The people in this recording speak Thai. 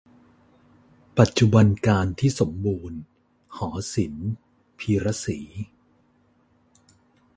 ปัจจุบันกาลที่สมบูรณ์ หอศิลป พีระศรี